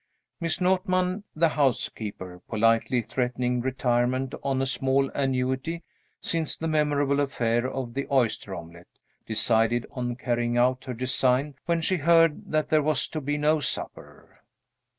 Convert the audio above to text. Miss Notman, the housekeeper, politely threatening retirement on a small annuity, since the memorable affair of the oyster omelet, decided on carrying out her design when she heard that there was to be no supper.